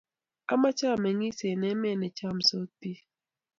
ameche ameng'is eng emet ne chamsot biik